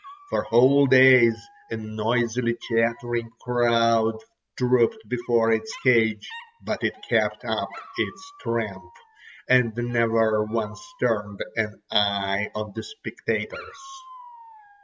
For whole days a noisily chattering crowd trooped before its cage, but it kept up its tramp, and never once turned an eye on the spectators.